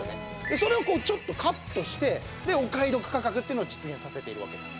それをちょっとカットしてお買い得価格っていうのを実現させているわけなんです。